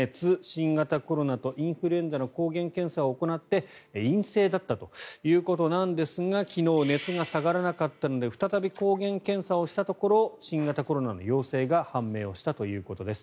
新型コロナとインフルエンザの抗原検査を行って陰性だったということなんですが昨日、熱が下がらなかったので再び抗原検査をしたところ新型コロナの陽性が判明したということです。